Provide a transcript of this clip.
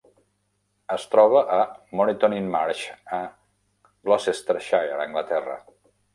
Es troba a Moreton-in-Marsh a Gloucestershire, Anglaterra.